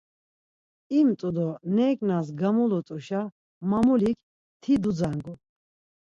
İmt̆u do neǩnas gamulut̆uşa mamulik ti dudzangu.